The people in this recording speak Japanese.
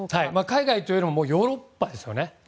海外というよりもヨーロッパですよね。